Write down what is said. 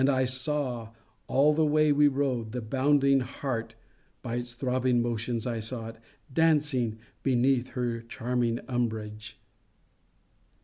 And I saw, all the way we rode, the bounding heart (by its throbbing motions I saw it!) dancing beneath her charming umbrage.